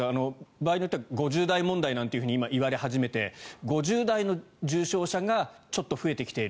場合によっては５０代問題なんて言われ始めて５０代の重症者がちょっと増えてきている。